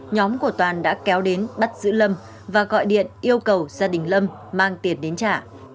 nhóm của toàn đã kéo đến bắt giữ lâm và gọi điện yêu cầu gia đình lâm mang tiền đến trả